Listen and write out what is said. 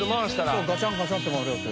そうガチャンガチャンって回るやつ。